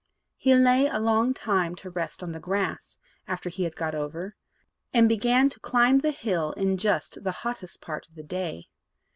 He lay a long time to rest on the grass, after he had got over, and began to climb the hill in just the hottest part of the day.